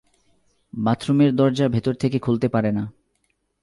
বাথরুমের দরজা ভেতর থেকে খুলতে পারে না।